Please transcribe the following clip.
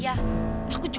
kalau kamu sudah